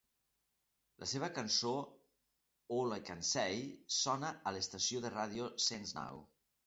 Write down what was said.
La seva cançó "All I Can Say" sona a l'estació de ràdio Saints Row.